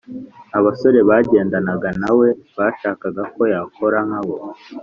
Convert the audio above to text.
Abasore bagendanaga na We bashakaga ko yakora nkabo